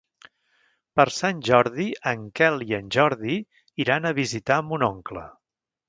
Per Sant Jordi en Quel i en Jordi iran a visitar mon oncle.